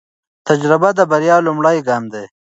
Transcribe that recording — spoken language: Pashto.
تجربه د بریا لومړی ګام دی.